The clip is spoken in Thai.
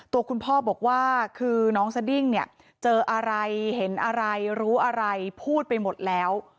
ตัวคุณพ่อบอกว่าคือน้องสดิ้งเนี่ยเจออะไรเห็นอะไรรู้อะไรพูดไปหมดแล้ว